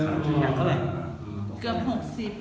เกือบห้องสิบ